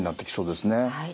はい。